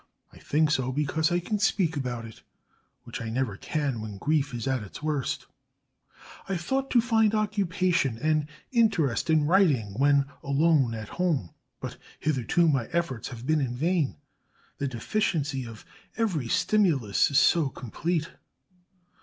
I think so, because I can speak about it, which I never can when grief is at its worst. I thought to find occupation and interest in writing when alone at home, but hitherto my efforts have been in vain: the deficiency of every stimulus is so complete.